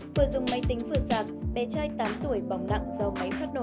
vừa dùng máy tính vừa sạc bé trai tám tuổi bóng nặng do máy phát nổ